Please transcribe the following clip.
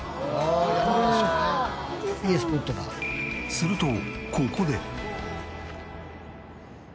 するとここで。